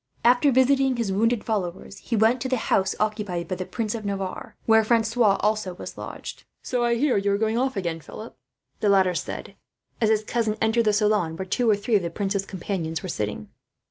After visiting his wounded followers, he went to the house occupied by the Prince of Navarre, where Francois also was lodged. "So I hear you are off again, Philip," the latter said; as his cousin entered the salon where two or three of the prince's companions were sitting.